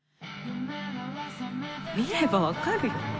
見れば分かるよ。